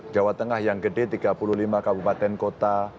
jawa tengah yang gede tiga puluh lima kabupaten kota